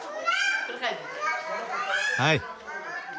はい。